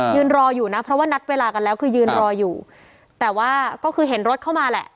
ยืนรออยู่นะเพราะว่านัดเวลากันแล้วคือยืนรออยู่แต่ว่าก็คือเห็นรถเข้ามาแหละ